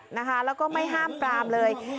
และก็ไม่ห้ามกลามเลย